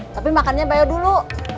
tapi makannya bayar dulu